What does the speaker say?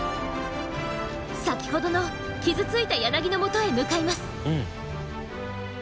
先ほどの傷ついたヤナギのもとへ向かいます。